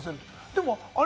でもあれ